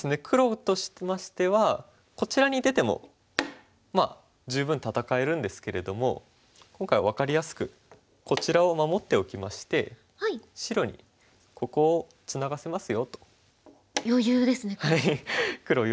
黒としましてはこちらに出てもまあ十分戦えるんですけれども今回分かりやすくこちらを守っておきまして白に「ここをツナがせますよ」と。余裕ですね黒。